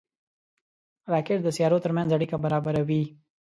راکټ د سیارو ترمنځ اړیکه برابروي